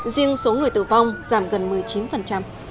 riêng số người tử vong giảm gần một mươi chín